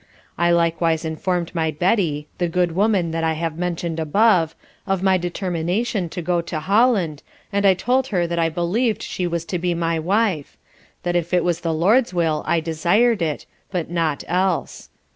I likewise informed my Betty (the good woman that I have mentioned above) of my determination to go to Holland and I told her that I believed she was to be my Wife: that if it was the LORD's Will I desired it, but not else.